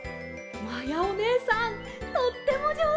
まやおねえさんとってもじょうずです！